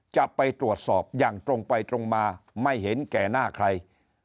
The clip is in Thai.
จะไปตรวจสอบอย่างตรงไปตรงมาไม่เห็นแก่หน้าใคร